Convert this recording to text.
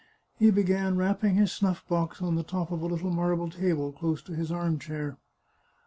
He began rapping his snuff box on the top of a little marble table, close to his arm chair.